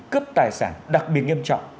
cướp tài sản đặc biệt nghiêm trọng